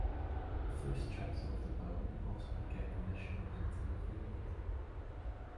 The first chapter of the poem also became the national anthem of Finland.